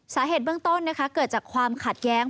สาเหตุเบื้องต้นเกิดจากความขัดแย้ง